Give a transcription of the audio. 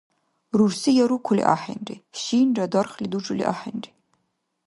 Рурси я рукули ахӀенри, шинра дархли дужули ахӀенри.